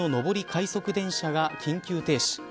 快速電車が緊急停止。